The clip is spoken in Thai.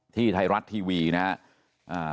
ที่ไทยรัตน์ทีวีนะฮะ